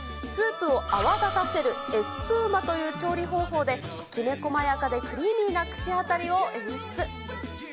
スープを泡立たせるエスプーマという調理方法で、きめ細やかでクリーミーな口当たりを演出。